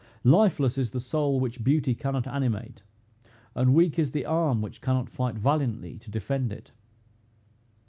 Lifeless is the soul which beauty cannot animate, and weak is the arm which cannot fight valiantly to defend it."